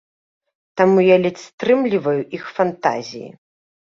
Таму я ледзь стрымліваю іх фантазіі.